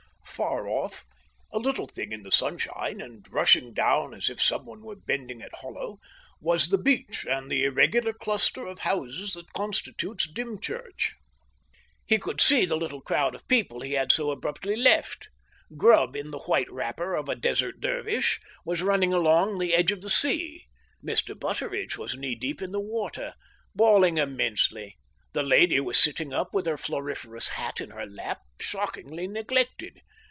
Far off, a little thing in the sunshine, and rushing down as if some one was bending it hollow, was the beach and the irregular cluster of houses that constitutes Dymchurch. He could see the little crowd of people he had so abruptly left. Grubb, in the white wrapper of a Desert Dervish, was running along the edge of the sea. Mr. Butteridge was knee deep in the water, bawling immensely. The lady was sitting up with her floriferous hat in her lap, shockingly neglected.